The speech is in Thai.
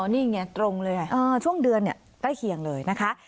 นี่ไงตรงเลยช่วงเดือนใกล้เคียงเลยนะคะ